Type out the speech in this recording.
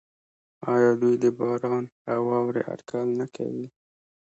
آیا دوی د باران او واورې اټکل نه کوي؟